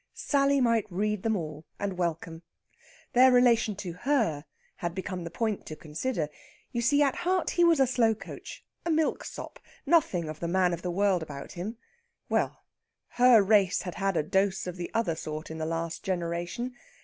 Sally might read them all, and welcome. Their relation to her had become the point to consider. You see, at heart he was a slow coach, a milksop, nothing of the man of the world about him. Well, her race had had a dose of the other sort in the last generation.